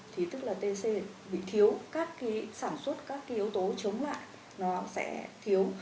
thì tức là tc bị thiếu sản xuất các yếu tố chống lại sẽ thiếu